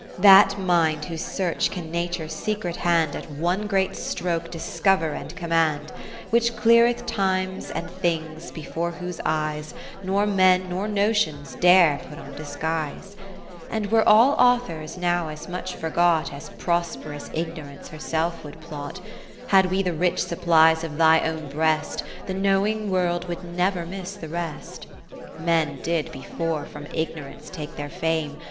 That mind whosesearchcan Nature's secret hand At one great stroke discover and command, Which cleareth times and things, before whose eyes Nor men nor notions dare put on disguise. 20 (525) Tapers ? Kath ertiie Philip ii And were all authors now as much forgot As prosperous Ignorance herself would plot, Had we the rich supplies of thy own breast, The knowing World would never miss the rest. Men did before from Ignorance take their fame.